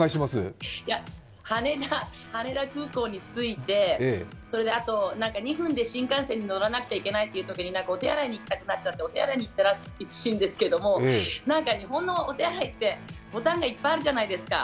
羽田空港に着いて、あと２分で新幹線に乗らなきゃいけないときにお手洗いに行きたくなっちゃってお手洗いに行ったらしいんですけどなんか日本のお手洗いってボタンがいっぱいあるじゃないですか。